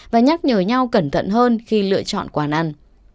và nhắc nhở nhau cẩn thận hơn khi lựa chọn quán ăn